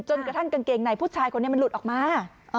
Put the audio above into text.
กระทั่งกางเกงในผู้ชายคนนี้มันหลุดออกมา